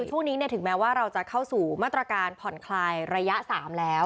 ช่วงนี้ถึงแม้ว่าเราจะเข้าสู่มาตรการผ่อนคลายระยะ๓แล้ว